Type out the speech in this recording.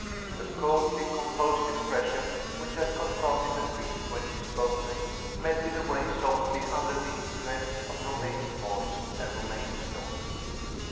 The coldly composed expression which had confronted the priest when she spoke to him, melted away softly under the influence of Romayne's voice and Romayne's look.